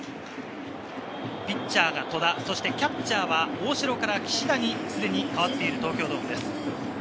ピッチャーが戸田、キャッチャーは大城から岸田にすでに代わっている東京ドームです。